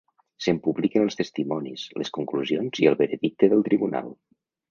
Se’n publiquen els testimonis, les conclusions i el veredicte del Tribunal.